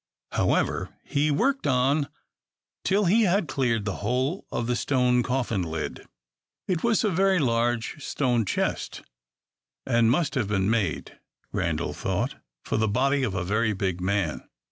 However, he worked on till he had cleared the whole of the stone coffin lid. It was a very large stone chest, and must have been made, Randal thought, for the body of a very big man.